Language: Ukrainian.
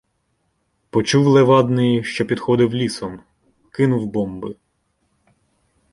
Почув Левадний, що підходив лісом, кинув бомби.